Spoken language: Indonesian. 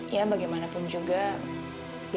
ya bagaimanapun juga biaya rutin bulanan tetap ada ya